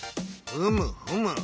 ふむふむ。